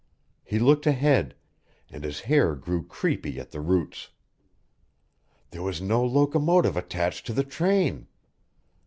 He looked ahead and his hair grew creepy at the roots. There was no locomotive attached to the train!